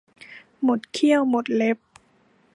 หมดเขี้ยวหมดเล็บ